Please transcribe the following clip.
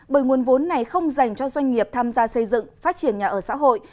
bởi nguồn vốn này không dành cho doanh nghiệp tham gia xây dựng phát triển nhà ở xã hội